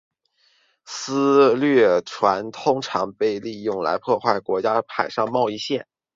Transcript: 私掠船通常被利用来破坏敌国的海上贸易线。